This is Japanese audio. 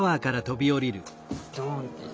ドン！って。